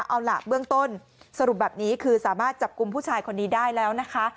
เอาล่ะเบื้องต้นสรุปแบบนี้คือสามารถจับกลุ่มผู้ชายคนนี้ได้แล้วนะคะ